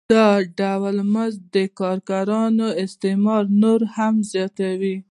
دا ډول مزد د کارګرانو استثمار نور هم زیاتوي